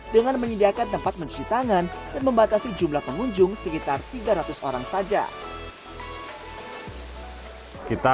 dengan menyediakan tempat mencuci tangan dan membatasi jumlah pengunjung sekitar tiga ratus orang saja